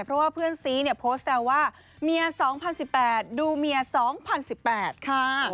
เพราะว่าเพื่อนซีเนี่ยโพสต์แซวว่าเมีย๒๐๑๘ดูเมีย๒๐๑๘ค่ะ